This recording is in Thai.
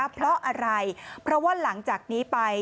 เพราะอะไรเพราะว่าหลังจากนี้ไป